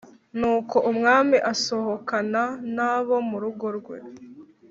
Nuko umwami asohokana n’abo mu rugo rwe